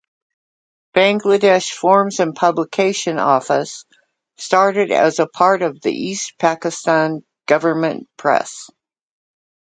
Bangladesh Forms and Publication Office started an part of the East Pakistan Government Press.